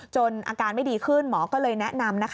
อาการไม่ดีขึ้นหมอก็เลยแนะนำ